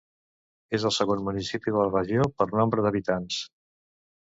És el segon municipi de la regió per nombre d'habitants.